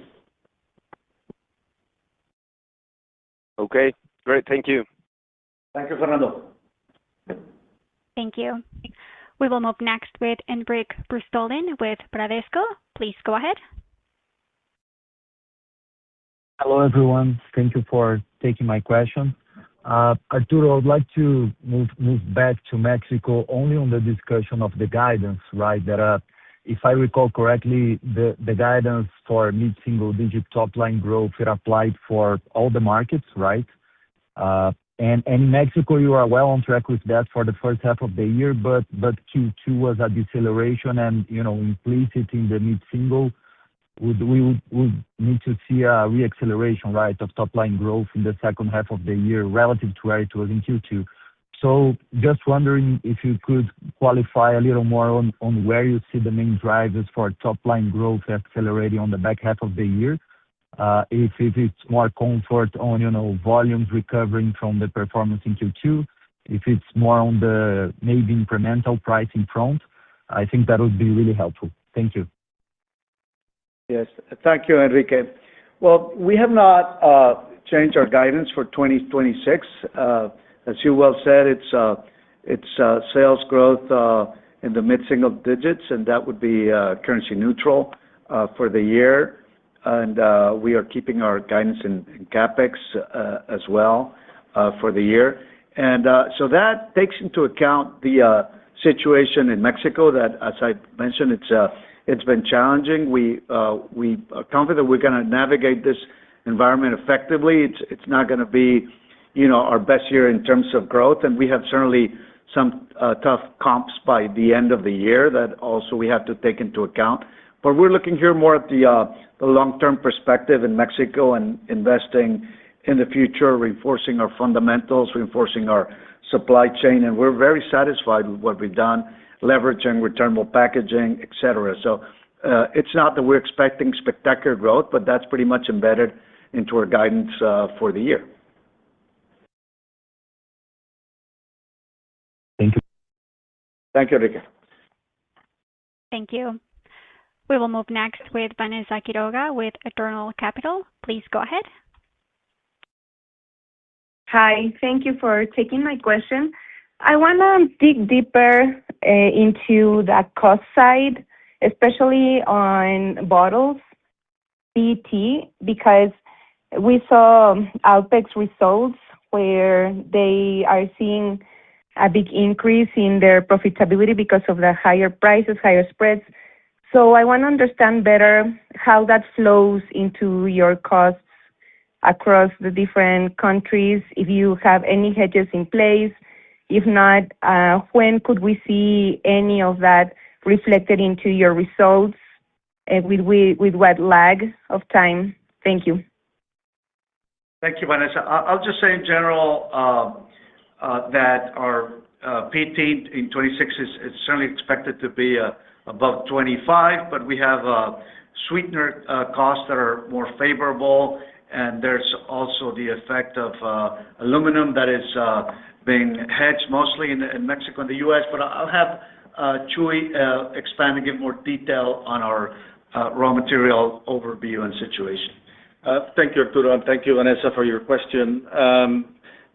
Okay, great. Thank you. Thank you, Fernando. Thank you. We will move next with Henrique Brustolin with Bradesco. Please go ahead. Hello, everyone. Thank you for taking my question. Arturo, I would like to move back to Mexico only on the discussion of the guidance, right? If I recall correctly, the guidance for mid-single digit top-line growth, it applied for all the markets, right? In Mexico, you are well on track with that for the first half of the year, but Q2 was a deceleration and implicit in the mid-single, we would need to see a re-acceleration of top-line growth in the second half of the year relative to where it was in Q2. Just wondering if you could qualify a little more on where you see the main drivers for top-line growth accelerating on the back half of the year. If it's more comfort on volumes recovering from the performance in Q2, if it's more on the maybe incremental pricing front, I think that would be really helpful. Thank you. Thank you, Henrique. We have not changed our guidance for 2026. As you well said, it's sales growth in the mid-single digits, and that would be currency neutral for the year. We are keeping our guidance in CapEx as well for the year. That takes into account the situation in Mexico that, as I mentioned, it's been challenging. We are confident we're going to navigate this environment effectively. It's not going to be our best year in terms of growth, and we have certainly some tough comps by the end of the year that also we have to take into account. We're looking here more at the long-term perspective in Mexico and investing in the future, reinforcing our fundamentals, reinforcing our supply chain, and we're very satisfied with what we've done, leveraging returnable packaging, et cetera. It's not that we're expecting spectacular growth, but that's pretty much embedded into our guidance for the year. Thank you. Thank you, Henrique. Thank you. We will move next with Vanessa Quiroga with Eternal Capital. Please go ahead. Hi. Thank you for taking my question. I want to dig deeper into that cost side, especially on bottles PET, because we saw Alpek results where they are seeing a big increase in their profitability because of the higher prices, higher spreads. I want to understand better how that flows into your costs across the different countries, if you have any hedges in place. If not, when could we see any of that reflected into your results? With what lag of time? Thank you. Thank you, Vanessa. I'll just say in general that our PET in 2026 is certainly expected to be above 2025, we have sweetener costs that are more favorable, there's also the effect of aluminum that is being hedged mostly in Mexico and the U.S. I'll have Chuy expand and give more detail on our raw material overview and situation. Thank you, Arturo, thank you, Vanessa, for your question.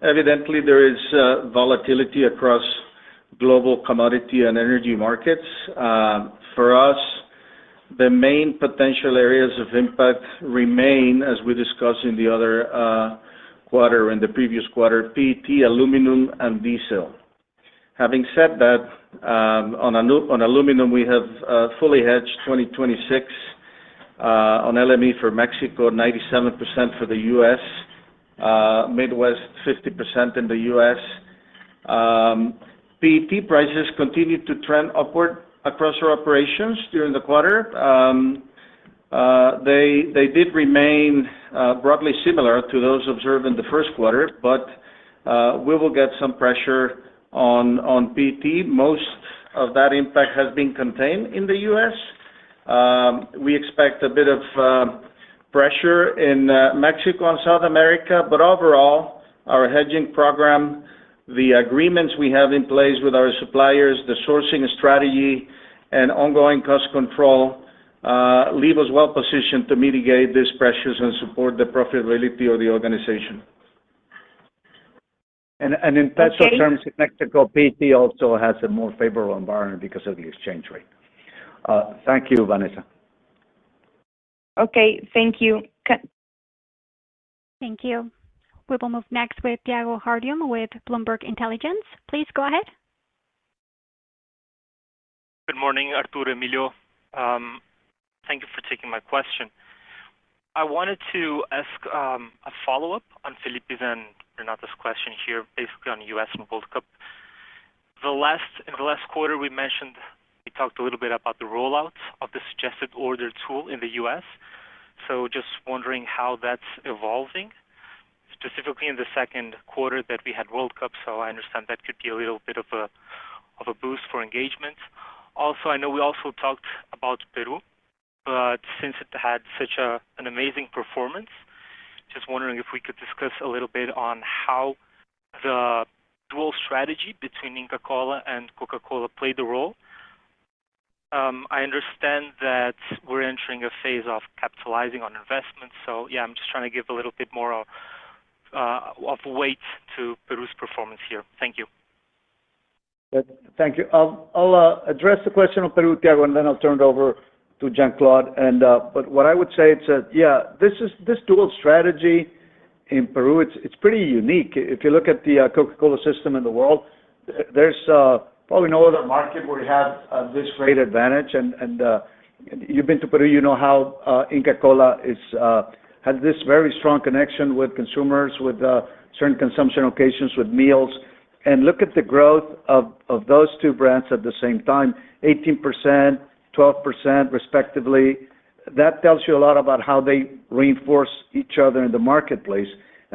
Evidently, there is volatility across global commodity and energy markets. For us, the main potential areas of impact remain, as we discussed in the other quarter, in the previous quarter, PET, aluminum, and diesel. Having said that, on aluminum, we have fully hedged 2026 on LME for Mexico, 97% for the U.S. Midwest, 50% in the U.S. PET prices continued to trend upward across our operations during the quarter. They did remain broadly similar to those observed in the first quarter, we will get some pressure on PET. Most of that impact has been contained in the U.S. We expect a bit of pressure in Mexico and South America. Overall, our hedging program, the agreements we have in place with our suppliers, the sourcing strategy, and ongoing cost control leave us well positioned to mitigate these pressures and support the profitability of the organization. In peso terms in Mexico, PET also has a more favorable environment because of the exchange rate. Thank you, Vanessa. Okay. Thank you. Thank you. We will move next with Tiago Harduim with Bloomberg Intelligence. Please go ahead. Good morning, Arturo, Emilio. Thank you for taking my question. I wanted to ask a follow-up on Felipe's and Renata's question here, basically on U.S. and World Cup. In the last quarter, we talked a little bit about the rollouts of the suggested order tool in the U.S., just wondering how that's evolving, specifically in the second quarter that we had World Cup, I understand that could be a little bit of a boost for engagement. Also, I know we also talked about Peru, but since it had such an amazing performance, just wondering if we could discuss a little bit on how the dual strategy between Inca Kola and Coca-Cola played a role. I understand that we're entering a phase of capitalizing on investments. Yeah, I'm just trying to give a little bit more of weight to Peru's performance here. Thank you. Thank you. I'll address the question on Peru, Tiago, then I'll turn it over to Jean-Claude. What I would say it's that, yeah, this dual strategy in Peru, it's pretty unique. If you look at the Coca-Cola system in the world, there's probably no other market where you have this great advantage. You've been to Peru, you know how Inca Kola has this very strong connection with consumers, with certain consumption occasions, with meals. Look at the growth of those two brands at the same time, 18%, 12% respectively. That tells you a lot about how they reinforce each other in the marketplace.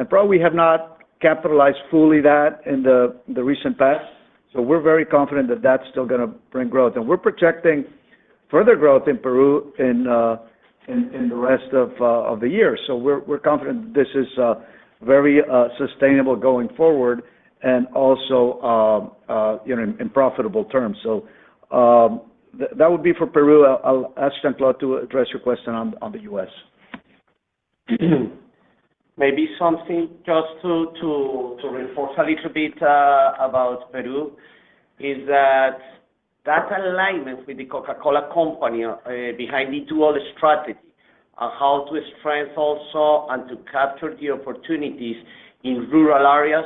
Probably have not capitalized fully that in the recent past. We're very confident that that's still going to bring growth. We're projecting further growth in Peru in the rest of the year. We're confident this is very sustainable going forward and also in profitable terms. That would be for Peru. I'll ask Jean-Claude to address your question on the U.S. Maybe something just to reinforce a little bit about Peru is that that alignment with The Coca-Cola Company behind the dual strategy on how to strengthen also and to capture the opportunities in rural areas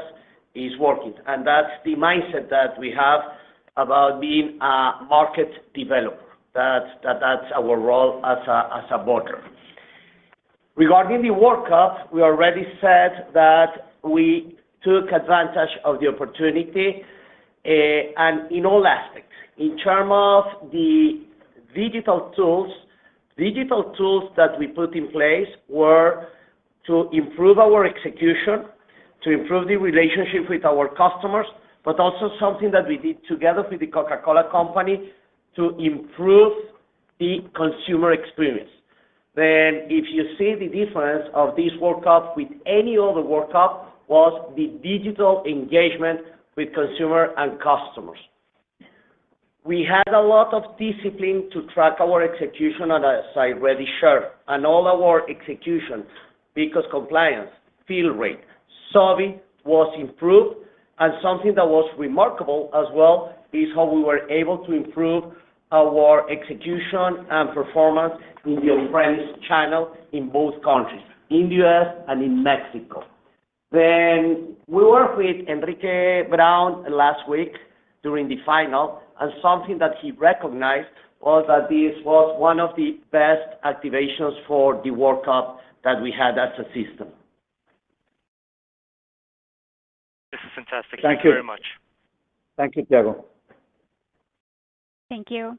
is working. That's the mindset that we have about being a market developer. That's our role as a bottler. Regarding the World Cup, we already said that we took advantage of the opportunity, and in all aspects. In terms of the digital tools, digital tools that we put in place were to improve our execution, to improve the relationship with our customers, but also something that we did together with The Coca-Cola Company to improve the consumer experience. If you see the difference of this World Cup with any other World Cup was the digital engagement with consumer and customers. We had a lot of discipline to track our execution, as I already shared, and all our execution because compliance, field rate, SOV was improved. Something that was remarkable as well is how we were able to improve our execution and performance in the on-premise channel in both countries, in the U.S. and in Mexico. We worked with Henrique Braunn last week during the final, and something that he recognized was that this was one of the best activations for the World Cup that we had as a system. This is fantastic. Thank you. Thank you very much. Thank you, Tiago. Thank you.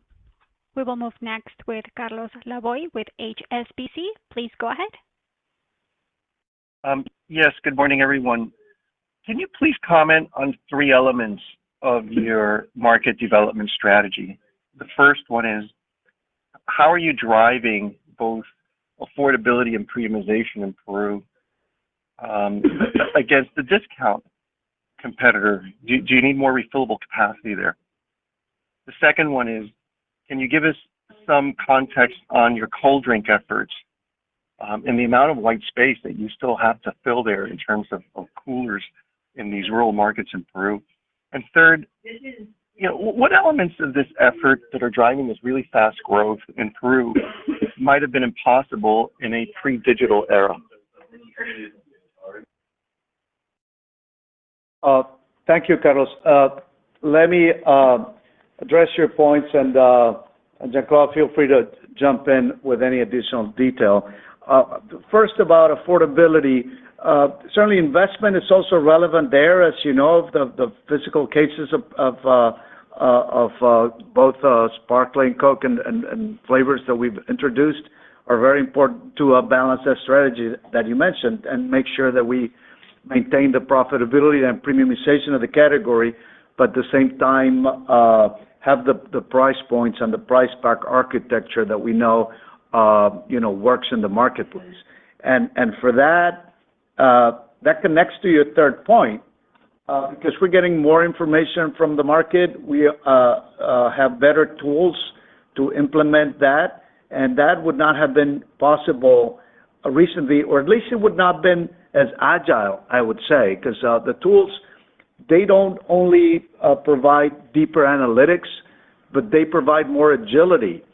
We will move next with Carlos Laboy with HSBC. Please go ahead. Yes, good morning, everyone. Can you please comment on three elements of your market development strategy? The first one is, how are you driving both affordability and premiumization in Peru against the discount competitor? Do you need more refillable capacity there? The second one is, can you give us some context on your cold drink efforts, and the amount of white space that you still have to fill there in terms of coolers in these rural markets in Peru? Third. This is. What elements of this effort that are driving this really fast growth in Peru might have been impossible in a pre-digital era? Thank you, Carlos. Jean-Claude, feel free to jump in with any additional detail. First about affordability, certainly investment is also relevant there. As you know, the physical cases of both sparkling Coke and flavors that we've introduced are very important to balance that strategy that you mentioned and make sure that we maintain the profitability and premiumization of the category, but at the same time, have the price points and the price pack architecture that we know works in the marketplace. For that connects to your third point. Because we're getting more information from the market, we have better tools to implement that, and that would not been possible recently, or at least it would not been as agile, I would say, because the tools, they don't only provide deeper analytics, but they provide more agility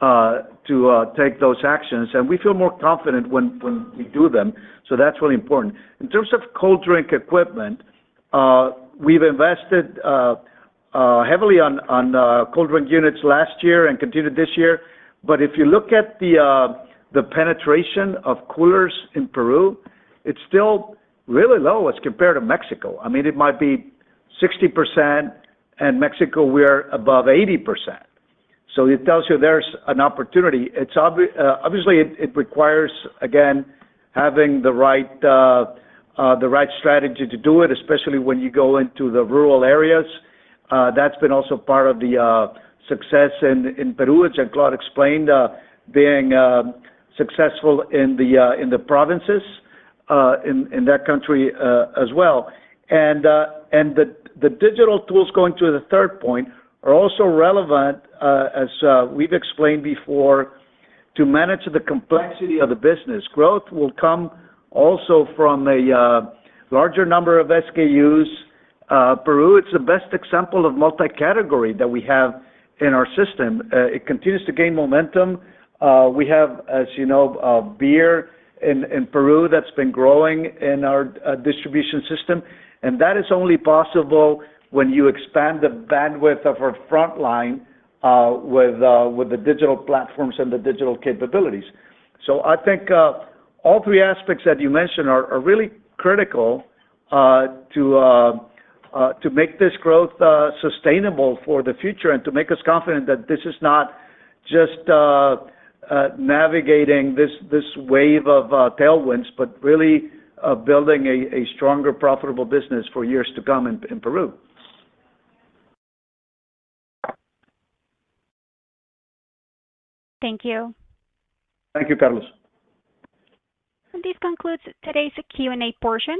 to take those actions. We feel more confident when we do them. That's really important. In terms of cold drink equipment, we've invested heavily on cold drink units last year and continued this year. If you look at the penetration of coolers in Peru, it's still really low as compared to Mexico. It might be 60%, and Mexico, we're above 80%. It tells you there's an opportunity. Obviously, it requires, again, having the right strategy to do it, especially when you go into the rural areas. That's been also part of the success in Peru, as Jean-Claude explained, being successful in the provinces in that country as well. The digital tools, going to the third point, are also relevant, as we've explained before, to manage the complexity of the business. Growth will come also from a larger number of SKUs. Peru, it's the best example of multi-category that we have in our system. It continues to gain momentum. We have, as you know, beer in Peru that's been growing in our distribution system, and that is only possible when you expand the bandwidth of our frontline with the digital platforms and the digital capabilities. I think all three aspects that you mentioned are really critical to make this growth sustainable for the future and to make us confident that this is not just navigating this wave of tailwinds, but really building a stronger, profitable business for years to come in Peru. Thank you. Thank you, Carlos. This concludes today's Q&A portion.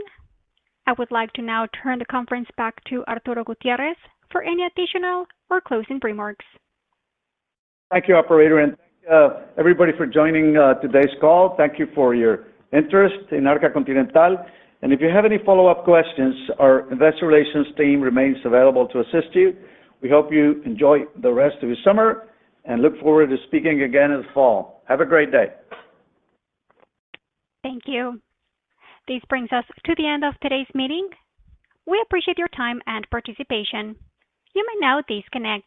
I would like to now turn the conference back to Arturo Gutiérrez for any additional or closing remarks. Thank you, operator, and everybody for joining today's call. Thank you for your interest in Arca Continental. If you have any follow-up questions, our investor relations team remains available to assist you. We hope you enjoy the rest of your summer and look forward to speaking again in the fall. Have a great day. Thank you. This brings us to the end of today's meeting. We appreciate your time and participation. You may now disconnect.